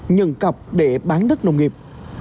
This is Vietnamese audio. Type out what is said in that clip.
nhân cọc để bán đất nông nghiệp